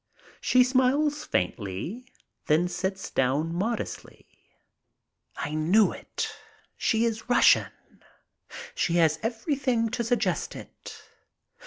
She smiles faintly, then sits down modestly. I knew it. She is Russian. She has everything to suggest it.